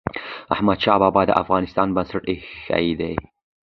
احمد شاه بابا د افغانستان بنسټ ايښی دی.